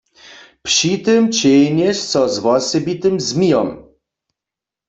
Při tym ćehnješ so z wosebitym zmijom.